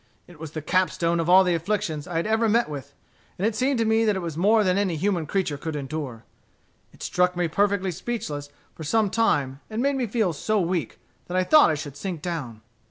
It was the capstone of all the afflictions I had ever met with; and it seemed to me that it was more than any human creature could endure. It struck me perfectly speechless for some time, and made me feel so weak that I thought I should sink down.